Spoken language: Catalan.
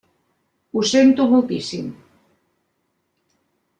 Ho sento moltíssim.